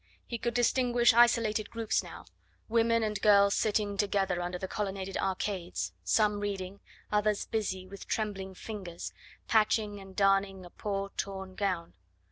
He could distinguish isolated groups now, women and girls sitting together under the colonnaded arcades, some reading, others busy, with trembling fingers, patching and darning a poor, torn gown.